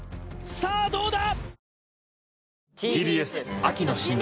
さあどうだ？